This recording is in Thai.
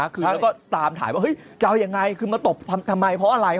คือแล้วก็ตามถามว่าเฮ้ยจะเอายังไงคือมาตบทำไมเพราะอะไร